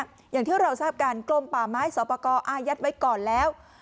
อย่างที่เราทราบกันกลมป่าไม้สอบประกอบอายัดไว้ก่อนแล้ว